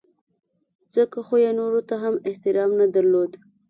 ځکه خو یې نورو ته هم احترام نه درلود.